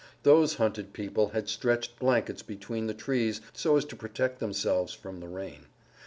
Those hunted people had stretched blankets between the trees so as to protect themselves from the rain.